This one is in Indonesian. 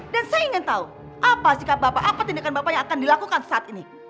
dan saya ingin tahu apa sikap bapak apa tindakan bapak yang akan dilakukan saat ini